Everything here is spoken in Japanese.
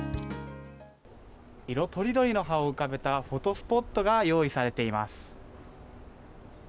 色とりどりの葉を浮かべたフォトスポットが用意されています。